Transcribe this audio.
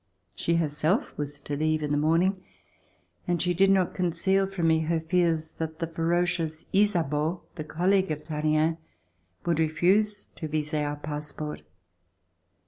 She herself was to leave in the morning and she did not conceal from me her fears that the fe rocious Ysabeau, the colleague of Tallien, would refuse to vise our passport.